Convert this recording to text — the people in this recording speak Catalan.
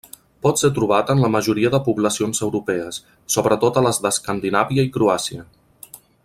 Pot ser trobat en la majoria de poblacions europees, sobretot a les d'Escandinàvia i Croàcia.